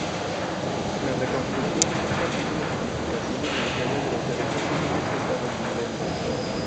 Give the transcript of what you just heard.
La reconstrucción fue un capítulo significativo en la historia de los derechos civiles estadounidenses.